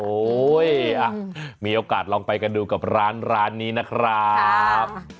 มีโอกาสลองไปกันดูกับร้านนี้นะครับ